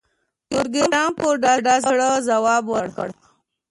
پروګرامر په ډاډه زړه ځواب ورکړ